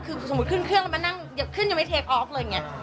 คือสมมุติขึ้นเครื่องแล้วมานั่งขึ้นยังไม่เทคอออกเลยอย่างนี้